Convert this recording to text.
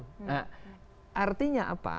nah artinya apa